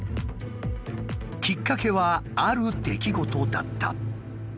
きっかけはある出来事だった。